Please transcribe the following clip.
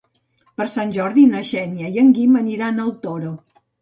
Per Sant Jordi na Xènia i en Guim aniran al Toro.